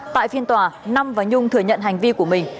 tại phiên tòa năm và nhung thừa nhận hành vi của mình